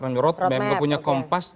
kalau tidak punya kompas